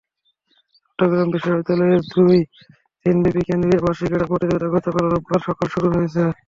চট্টগ্রাম বিশ্ববিদ্যালয়ের দুই দিনব্যাপী কেন্দ্রীয় বার্ষিক ক্রীড়া প্রতিযোগিতা গতকাল রোববার সকালে শুরু হয়েছে।